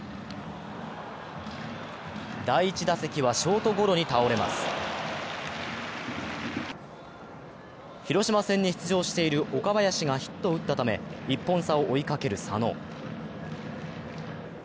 第１打席はショートゴロに倒れます広島戦に出場している岡林がヒットを打ったため、１本差を追いかける佐野。